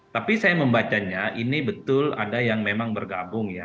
tapi saya membacanya ini betul ada yang memang bergabung ya